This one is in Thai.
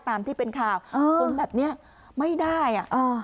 ตามที่เป็นข่าวคนแบบนี้ไม่ได้อ่ะอ่า